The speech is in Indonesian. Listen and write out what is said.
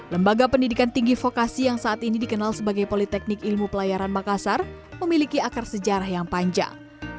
lembaga pendidikan tinggi fokasi yang saat ini dikenal sebagai politeknik ilmu pelayaran makassar memiliki akar sejarah yang panjang